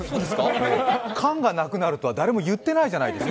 缶がなくなるとは、誰も言ってないじゃないですか。